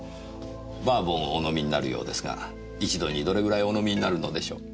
バーボンをお飲みになるようですが１度にどれぐらいお飲みになるのでしょう？